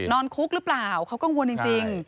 นอนคุกหรือเปล่าเขากังวลจริง